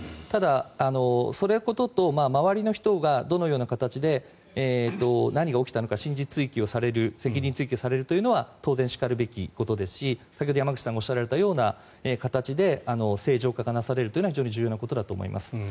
ただ、そのことと周りの人がどのような形で何が起きたのか真実追及される責任追及されるのは当然しかるべきことですしだけど、山口さんがおっしゃられたような形で清浄化がなされるというのは非常に重要なことだと思います。